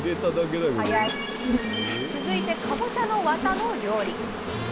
続いてかぼちゃのワタの料理。